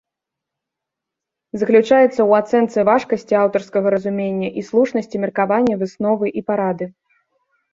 Заключаецца ў ацэнцы важкасці аўтарскага разумення і слушнасці меркавання, высновы і парады.